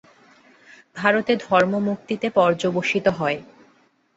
ভারতে ধর্ম মুক্তিতে পর্যবসিত হয়।